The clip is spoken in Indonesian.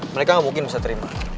mereka mungkin bisa terima